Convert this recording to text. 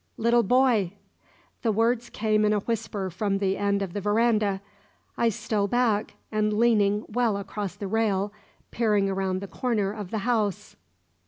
"Little boy!" The words came in a whisper from the end of the verandah. I stole back, and, leaning well across the rail, peered around the corner of the house.